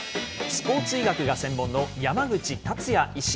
スポーツ医学が専門の山口達也医師。